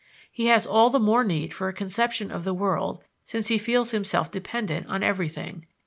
He has all the more need for a conception of the world since he feels himself dependent on everything.